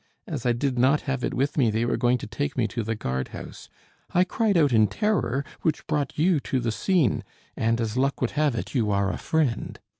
As I did not have it with me, they were going to take me to the guard house. I cried out in terror, which brought you to the scene; and as luck would have it, you are a friend.